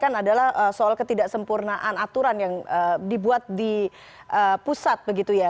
yang adalah soal ketidaksempurnaan aturan yang dibuat di pusat begitu ya